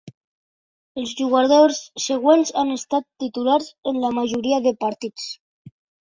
Els jugadors següents han estat titulars en la majoria de partits.